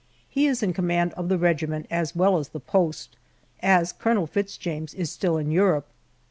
He is in command of the regiment as well as the post, as Colonel Fitz James is still in Europe.